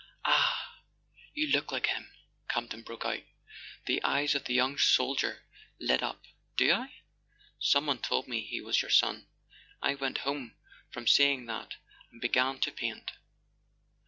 .." "Ah, you look like him!" Campton broke out. The eyes of the young soldier lit up. "Do I? ... Someone told me he was your son. I went home from seeing that and began to paint.